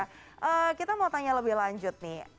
nah kita mau tanya lebih lanjut nih